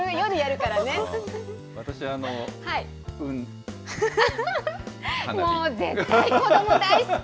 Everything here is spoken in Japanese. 私、もう絶対に子ども大好き！